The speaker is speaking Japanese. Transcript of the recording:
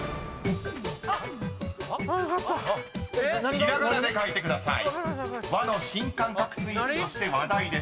［ひらがなで書いてください］